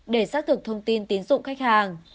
để xác thực thông tin tín dụng khách hàng